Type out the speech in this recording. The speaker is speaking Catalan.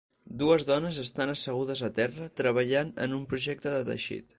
Dues dones estan assegudes a terra treballant en un projecte de teixit.